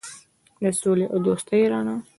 د سولې او دوستۍ رڼا.